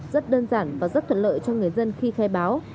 rất đơn giản và rất thuận lợi cho người dân khi khai báo